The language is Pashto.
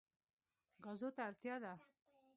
ګازو ته اړتیا ده.